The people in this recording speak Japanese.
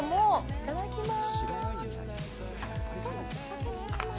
いただきます。